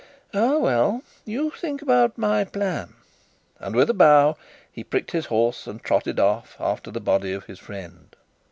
Ah, well, you think about my plan," and, with a bow, he pricked his horse and trotted after the body of his friend.